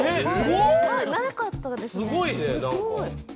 なかったですね。